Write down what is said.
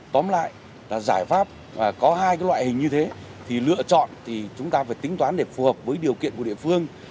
tóm lại là giải pháp có hai loại hình như thế thì lựa chọn thì chúng ta phải tính toán để phù hợp với điều kiện của địa phương